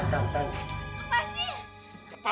dek aku mau ke sana